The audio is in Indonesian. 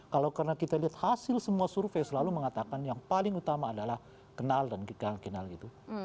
kalau karena kita lihat hasil semua survei selalu mengatakan yang paling utama adalah kenal dan kita kenal gitu